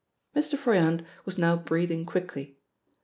Mr. Froyant was now breathing quickly.